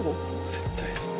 絶対そう！